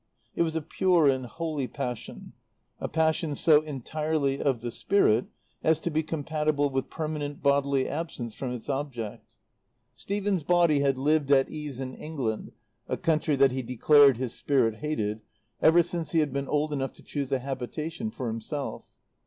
It was a pure and holy passion, a passion so entirely of the spirit as to be compatible with permanent bodily absence from its object. Stephen's body had lived at ease in England (a country that he declared his spirit hated) ever since he had been old enough to choose a habitation for himself.